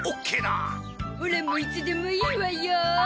オラもいつでもいいわよ。